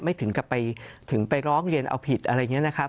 ถึงกับไปถึงไปร้องเรียนเอาผิดอะไรอย่างนี้นะครับ